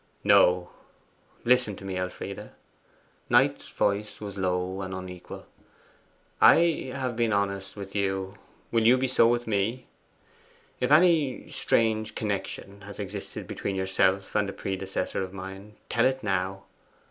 'No. Listen to me, Elfride.' Knight's voice was low and unequal. 'I have been honest with you: will you be so with me? If any strange connection has existed between yourself and a predecessor of mine, tell it now.